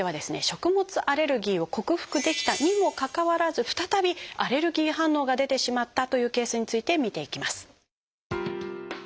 食物アレルギーを克服できたにもかかわらず再びアレルギー反応が出てしまったというケースについて見ていきます。